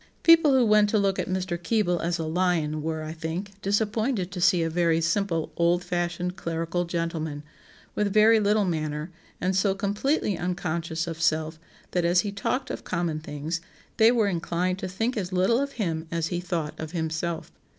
] "People who went to look at Mr. Keble as a 'lion' were, I think, disappointed to see a very simple old fashioned clerical gentleman, with very little manner, and so completely unconscious of self that as he talked of common things, they were inclined to think as little of him as he thought of himself.